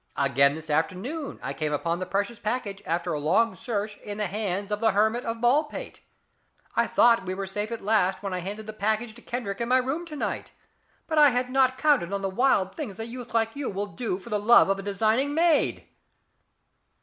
Again this afternoon, I came upon the precious package, after a long search, in the hands of the Hermit of Baldpate. I thought we were safe at last when I handed the package to Kendrick in my room to night but I had not counted on the wild things a youth like you will do for love of a designing maid."